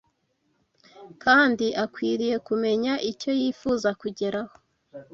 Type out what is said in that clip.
kandi akwiriye kumenya icyo yifuza kugeraho